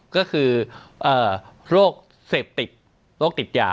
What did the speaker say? ก็คือโรคเสพติดโรคติดยา